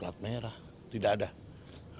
plat merah tidak ada